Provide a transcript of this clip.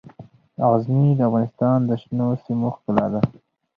غزني د افغانستان د شنو سیمو ښکلا ده.